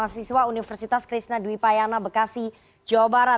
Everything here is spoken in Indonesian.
jazmi dari ini selalu ponto ya